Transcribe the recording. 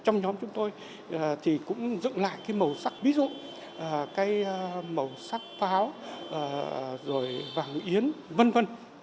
trong nhóm chúng tôi thì cũng dựng lại cái màu sắc ví dụ cái màu sắc pháo rồi vàng yến v v